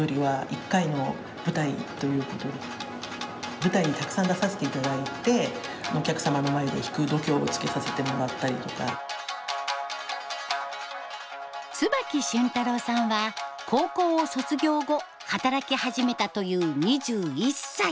舞台にたくさん出させて頂いて椿俊太郎さんは高校を卒業後働き始めたという２１歳。